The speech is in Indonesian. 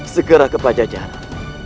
segera ke pajajaran